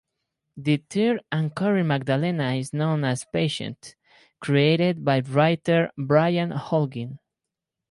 The third and current Magdalena is known as Patience, created by writer Brian Holguin.